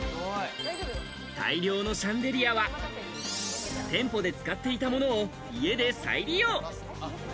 大量のシャンデリアは、店舗で使っていたものを家で再利用。